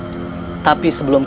kita tidak boleh berbicara